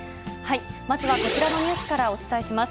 まずはこちらのニュースからお伝えします。